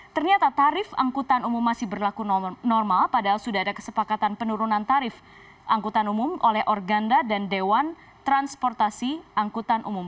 ternyata tarif angkutan umum masih berlaku normal padahal sudah ada kesepakatan penurunan tarif angkutan umum oleh organda dan dewan transportasi angkutan umum